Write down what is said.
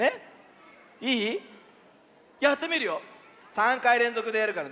３かいれんぞくでやるから。